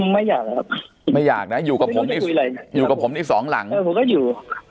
ไม่อยากครับไม่อยากนะอยู่กับผมนี่อยู่กับผมอีกสองหลังเออผมก็อยู่